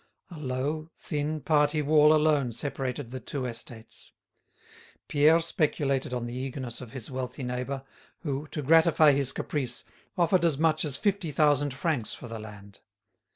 A low, thin, party wall alone separated the two estates. Pierre speculated on the eagerness of his wealthy neighbour, who, to gratify his caprice, offered as much as fifty thousand francs for the land.